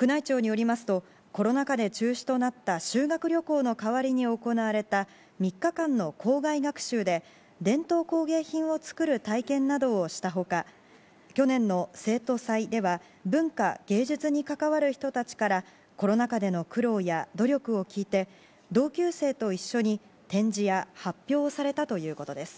宮内庁によりますとコロナ禍で中止となった修学旅行の代わりに行われた３日間の校外学習で伝統工芸品を作る体験などをしたほか、去年の生徒祭では文化芸術に関わる人たちからコロナ禍での苦労や努力を聞いて同級生と一緒に展示や発表をされたということです。